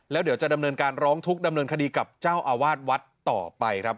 แล้วเดี๋ยวจะดำเนินการร้องทุกข์ดำเนินคดีกับเจ้าอาวาสวัดต่อไปครับ